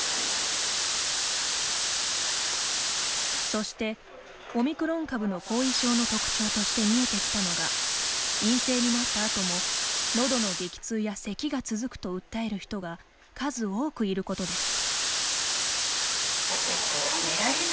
そして、オミクロン株の後遺症の特徴として見えてきたのが陰性になったあとものどの激痛やせきが続くと訴える人が数多くいることです。